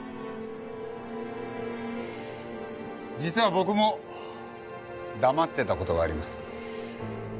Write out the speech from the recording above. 実は僕も黙ってた事があります。